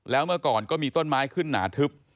แล้วเมื่อก่อนก็มีต้นไม้ขึ้นหนาทึบ